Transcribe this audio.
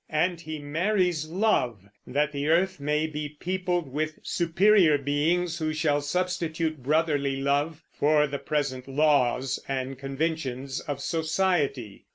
And he marries Love that the earth may be peopled with superior beings who shall substitute brotherly love for the present laws and conventions of society.